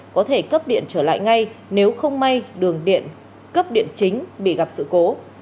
có thể cấp điện trở lại ngay nếu không may đường điện cấp điện chính bị gặp sự cố